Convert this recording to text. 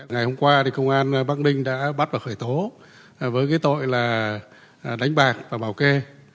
ngày hôm qua công an bắc ninh đã bắt và khởi tố với tội là đánh bạc và bảo kê